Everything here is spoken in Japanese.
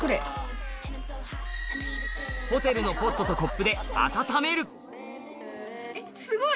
ホテルのポットとコップですごい！